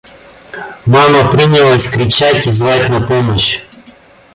Мама принялась кричать и звать на помощь.